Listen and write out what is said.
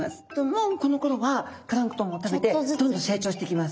もうこのころはプランクトンも食べてどんどん成長していきますね。